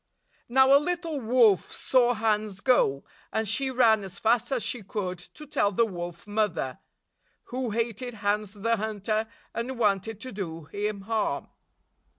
Now, a little wolf saw Hans go, and she ran as fast as she could to tell the Wolf Mother, 61 who hated Hans the Hunter, and wanted to do him harm.